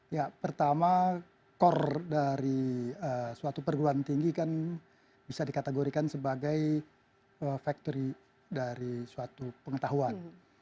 ya pertama core dari suatu perguruan tinggi kan bisa dikategorikan sebagai factory dari suatu pengetahuan